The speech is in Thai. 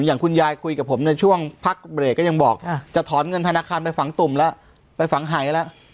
อย่างคุณยายคุยกับผมในช่วงพักเบรกก็ยังบอกจะถอนเงินธนาคารไปฝังตุ่มแล้วไปฝังหายแล้ว